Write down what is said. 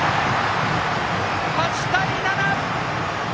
８対７！